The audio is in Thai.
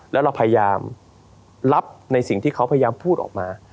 แล้วเราพยายามรับในสิ่งที่เขาพยายามพูดออกมา